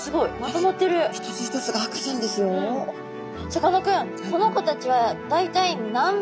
さかなクン